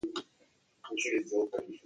Повинитесь, сударь.